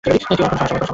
কোনও সমস্যা হবে না।